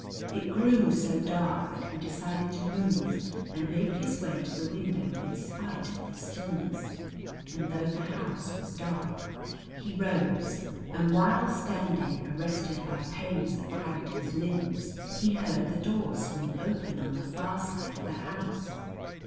It grew so dark that he decided to move and make his way to the window in spite of the stillness and though the house was dark. He rose and while standing arrested by pains that cramped his limbs, he heard the door swing open on the far side of the house.